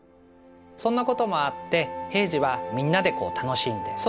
そんなこともあって平時はみんなで楽しんで。